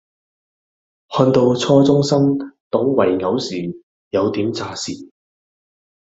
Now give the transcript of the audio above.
看到初中生懂圍棋時有點咋舌